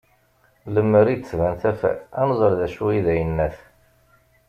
Lemmer di d-tban tafat, ad nẓer d acu i d ayennat